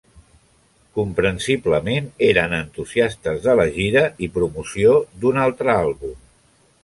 Comprensiblement, eren entusiastes de la gira i promoció d'un altre àlbum.